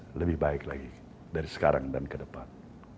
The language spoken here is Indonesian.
kami penuh dengan kehendak yang bisa dikembangkan dari sekarang ke depan